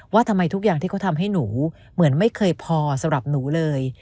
ว่าทำไมทุกอย่างที่เขาทำให้หนูเหมือนไม่เคยพอสำหรับหนูเลย